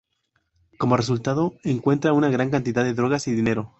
Como resultado encuentra una gran cantidad de drogas y dinero.